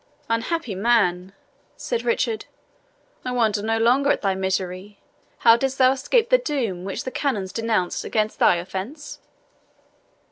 "Unhappy man!" said Richard, "I wonder no longer at thy misery. How didst thou escape the doom which the canons denounce against thy offence?"